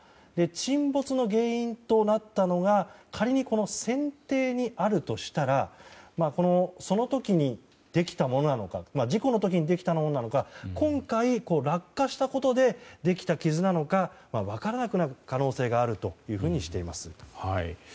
沈没の原因となったのが仮に船底にあるとしたら事故の時にできたものなのか今回、落下したことでできた傷なのか分からなくなる可能性があるというふうにしています。